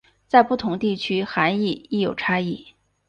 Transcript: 在不同地区涵义亦有差异。